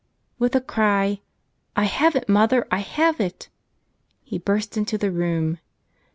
With a cry, "I have it, mother, I have it!" he burst into the room.